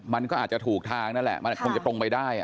มันก็อาจจะถูกทางนั่นแหละมันคงจะตรงไปได้